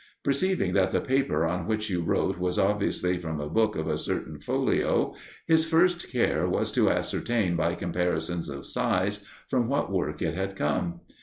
Perceiving that the paper on which you wrote was obviously from a book of a certain folio, his first care was to ascertain, by comparisons of size, from what work it had come.